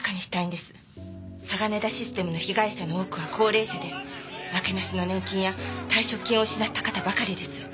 サガネダ・システムの被害者の多くは高齢者でなけなしの年金や退職金を失った方ばかりです。